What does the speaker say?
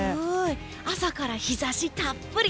朝から日差したっぷり！